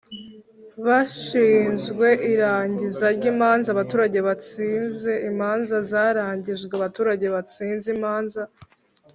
bashinzwe irangiza ry imanza abaturage batsinze imanza zarangijwe abaturage batsinze imanza